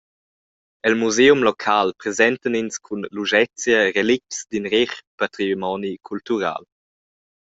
El museum local presentan ins cun luschezia relicts d’in reh patrimoni cultural.